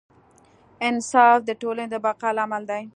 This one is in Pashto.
انصاف د ټولنې د بقا لامل دی.